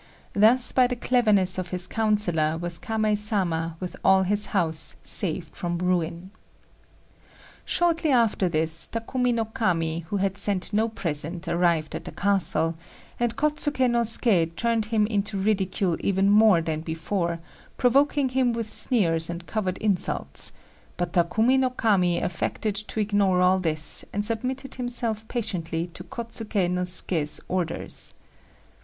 Thus by the cleverness of his councillor was Kamei Sama, with all his house, saved from ruin. Shortly after this, Takumi no Kami, who had sent no present, arrived at the castle, and Kôtsuké no Suké turned him into ridicule even more than before, provoking him with sneers and covert insults; but Takumi no Kami affected to ignore all this, and submitted himself patiently to Kôtsuké no Suké's orders.